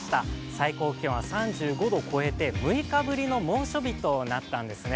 最高気温は３５度を超えて６日ぶりの猛暑日となったんですね。